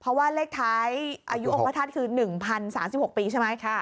เพราะว่าเลขท้ายอายุองค์พระธาตุคือ๑๐๓๖ปีใช่ไหม